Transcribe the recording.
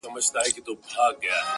هره شپه به وي خپړي په نوکرځو.!